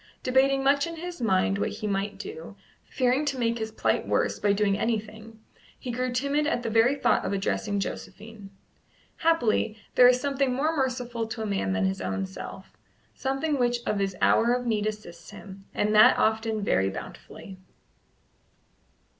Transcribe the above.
Debating much in his mind what he might do, fearing to make his plight worse by doing anything, he grew timid at the very thought of addressing Josephine. Happily, there is something more merciful to a man than his own self something which in his hour of need assists him, and that often very bountifully.